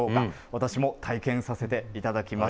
私も体験させていただきます。